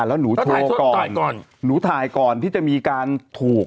แล้วหนูโทรก่อนหนูถ่ายก่อนที่จะมีการถูกอะ